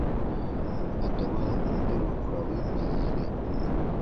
Adama mɛro ku ra win bii yinɛ.